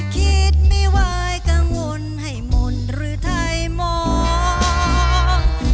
คิดไม่ไหวกังวลให้มนต์หรือไทยมอง